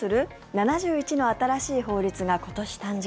７１の新しい法律が今年、誕生。